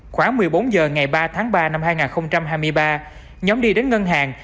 khoảng một mươi bốn h ngày ba tháng ba năm hai nghìn hai mươi ba nhóm đi đến ngân hàng